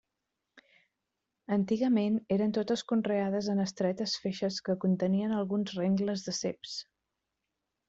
Antigament eren totes conreades en estretes feixes que contenien alguns rengles de ceps.